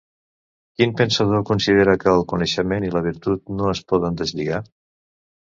Quin pensador considera que el coneixement i la virtut no es poden deslligar?